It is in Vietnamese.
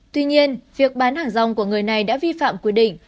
tuy nhiên việc bán hàng rong của người này đã vi phạm quy định